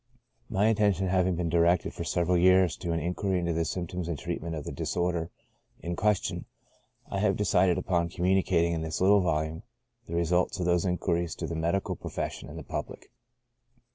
My attention having been directed for several years to an inquiry into the symptoms and treatment of the disorder in question, I have decided upon communicating, in this little volume, the results of those inquiries to the Medical Pro fession and the Public.